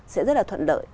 sẽ rất là thuận lợi